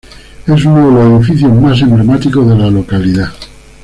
Es uno de los edificios más emblemáticos de la localidad.